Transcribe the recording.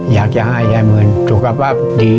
อยากจะให้แม่มืนสุขภาพดี